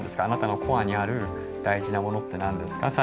あなたのコアにある大事なものって何ですか？」。